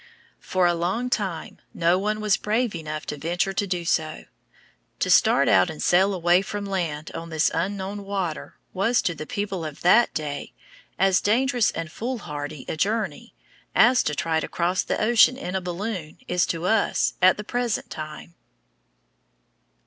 For a long time no one was brave enough to venture to do so. To start out and sail away from land on this unknown water was to the people of that day as dangerous and foolhardy a journey as to try to cross the ocean in a balloon is to us at the present time.